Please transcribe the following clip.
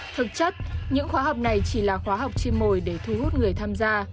thực chất những khóa học này chỉ là khóa học trên mồi để thu hút người tham gia